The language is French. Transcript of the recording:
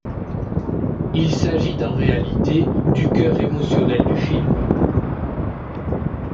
Il s'agit en réalité du coeur émotionnel du film.